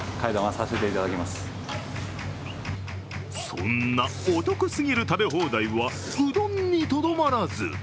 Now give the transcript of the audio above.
そんなお得すぎる食べ放題はうどんに、とどまらず。